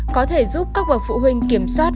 có thể giúp các bậc phụ huynh kiểm soát